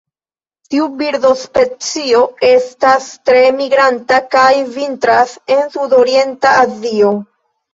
Tiu birdospecio estas tre migranta kaj vintras en sudorienta Azio.